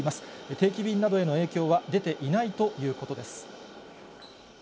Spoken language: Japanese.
定期便などへの影響は出ていないということです。